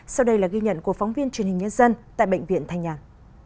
sau đây là ghi nhận của phóng viên truyền hình nhân dân tại bệnh viện thành nhãn